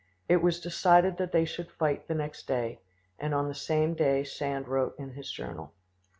It was decided that they should fight the next day, and on the same day Sand wrote in his journal.